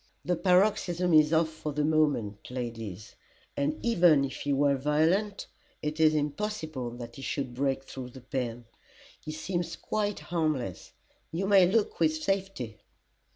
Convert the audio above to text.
"The paroxysm is off for the moment, ladies, and even if he were violent, it is impossible that he should break through the pen. He seems quite harmless you may look with safety."